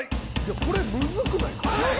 これむずくない？